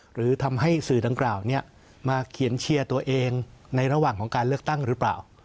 หรือทำให้สื่อดังกล่าวมาเขียนเชียร์ตัวเองในระหว่างของการเลือกตั้งหรือเปล่า